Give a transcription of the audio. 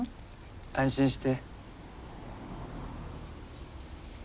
安心して。